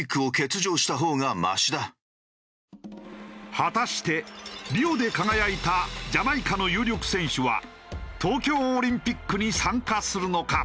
果たしてリオで輝いたジャマイカの有力選手は東京オリンピックに参加するのか？